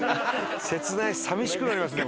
切ない寂しくなりますね